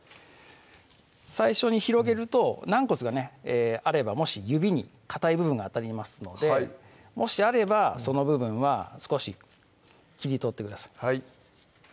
最初に広げると軟骨がねあれば指にかたい部分が当たりますのでもしあればその部分は少し切り取ってください